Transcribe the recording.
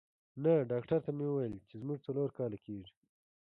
نه، ډاکټر ته مې وویل چې زموږ څلور کاله کېږي.